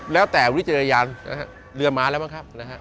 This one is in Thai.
แล้วแต่วิทยาละยานนะฮะเรือม้าแล้วมั้งครับนะฮะ